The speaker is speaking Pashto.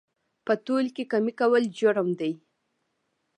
په تول کې کمي کول جرم دی